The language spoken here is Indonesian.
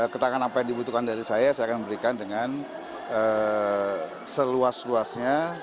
ketangan apa yang dibutuhkan dari saya saya akan berikan dengan seluas luasnya